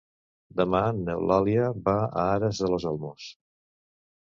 Demà n'Eulàlia va a Aras de los Olmos.